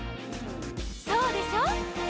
「そうでしょ？」